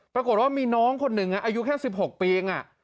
ปรากฏว่ามีน้องคนหนึ่งอายุแค่๑๖ปีเอง